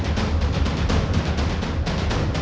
aku sedang mencari